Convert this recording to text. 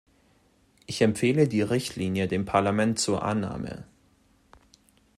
Ich empfehle die Richtlinie dem Parlament zur Annahme.